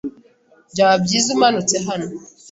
Byaba byiza umanutse hano.